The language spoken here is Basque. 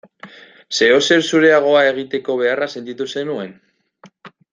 Zeozer zureagoa egiteko beharra sentitu zenuen?